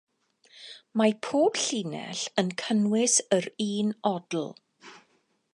Mae pob llinell yn cynnwys yr un odl.